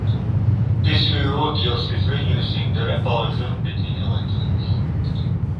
This rule deals with reducing the repulsion between electrons.